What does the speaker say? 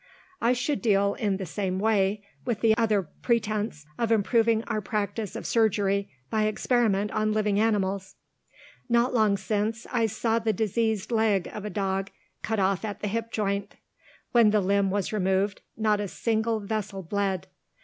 "I should deal in the same way, with the other pretence, of improving our practice of surgery by experiment on living animals. "Not long since, I saw the diseased leg of a dog cut off at the hip joint. When the limb was removed, not a single vessel bled.